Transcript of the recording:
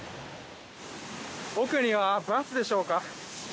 奥にはバスでしょうか。